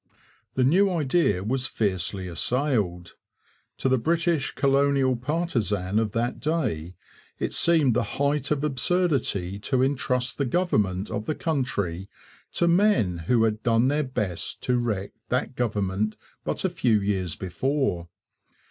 The new idea was fiercely assailed. To the British colonial partisan of that day it seemed the height of absurdity to entrust the government of the country to men who had done their best to wreck that government but a few years before.